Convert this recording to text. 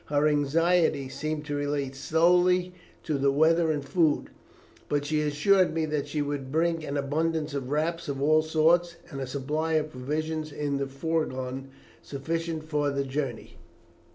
Her anxiety seemed to relate solely to the weather and food, but she assured me that she would bring an abundance of wraps of all sorts, and a supply of provisions in the fourgon sufficient for the journey.